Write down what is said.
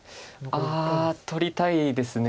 あ取りたいですね。